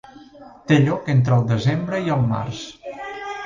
Té lloc entre el desembre i el març.